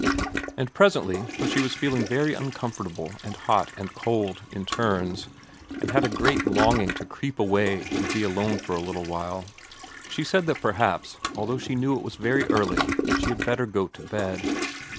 And presently, for she was feeling very uncomfortable and hot and cold in turns, and had a great longing to creep away and be alone for a little while, she said that perhaps, although she knew it was very early, she had better go to bed.